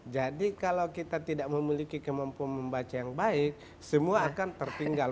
jadi kalau kita tidak memiliki kemampuan membaca yang baik semua akan tertinggal